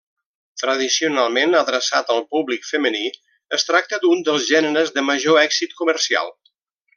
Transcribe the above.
Tradicionalment adreçat al públic femení, es tracta d'un dels gèneres de major èxit comercial.